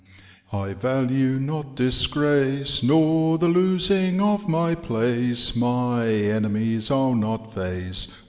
I value not disgrace, Nor the losing of my place, My enemies 1*11 not face.